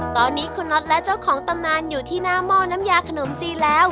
ตอนนี้คุณน็อตและเจ้าของตำนานอยู่ที่หน้าหม้อน้ำยาขนมจีนแล้ว